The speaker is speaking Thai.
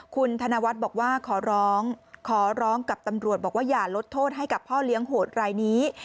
คุณธนวัฒน์บอกว่าขอร้องขอร้องกับตำรวจบอกว่าอย่าลดโทษให้กับพ่อเลี้ยงโหดรายนี้